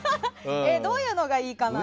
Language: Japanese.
どういうのがいいかな。